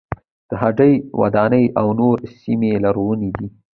د هډې وداني او نورې سیمې لرغونې دي.